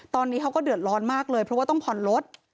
ตอนนี้เขาก็เดือดร้อนมากเลยเพราะว่าต้องผ่อนรถ